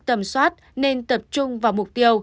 tầm soát nên tập trung vào mục tiêu